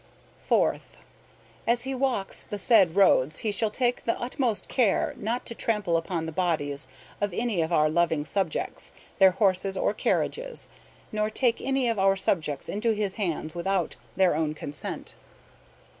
"Fourth. As he walks the said roads he shall take the utmost care not to trample upon the bodies of any of our loving subjects, their horses or carriages, nor take any of our subjects into his hands without their own consent.